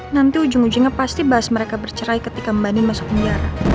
nanti ujung ujungnya pasti bahas mereka bercerai ketika mbak nin masuk penjara